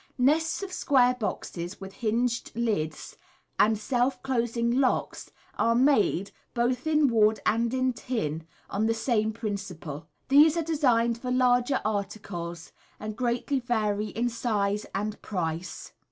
Nests of square boxes, with hinged lids and self closing locks, are made, both in wood and in tin, on the same prin ciple. These are designed for larger articles, and greatly vary in size and price.